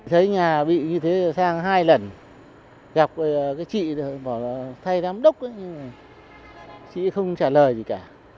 thấy nhà bị như thế thì sang hai lần gặp cái chị bảo là thay đám đốc ấy nhưng mà chị ấy không trả lời gì cả